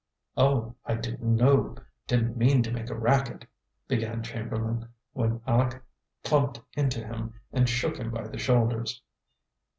"Oh, I didn't know. Didn't mean to make a racket," began Chamberlain, when Aleck plumped into him and shook him by the shoulders.